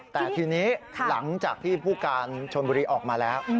แต่ทีนี้หลังจากที่ผู้การชนบุรีออกมาแล้ว